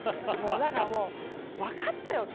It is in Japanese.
だからもう分かったよって。